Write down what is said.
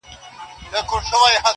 o جت مي تک تور، نې عېب سته نه پېغور.